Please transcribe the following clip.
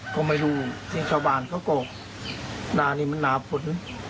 ผมไม่รู้ที่ชาวบ้านเขากบหน้านี่มันน้ำผล